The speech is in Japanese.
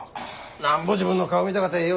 なんぼ自分の顔見たかてええ